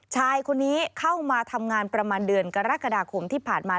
ชายคนนี้เข้ามาทำงานประมาณเดือนกรกฎาคมที่ผ่านมา